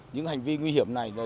những hành vi nguy hiểm này là